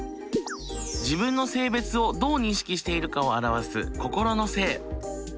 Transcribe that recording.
自分の性別をどう認識しているかを表す心の性。